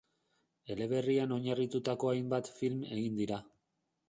Eleberrian oinarritutako hainbat film egin dira.